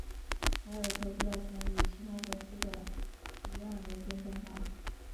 凯尔投资的钱与其他投资者一样人间蒸发。